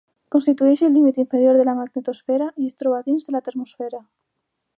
Constitueix el límit inferior de la magnetosfera i es troba dins de la termosfera.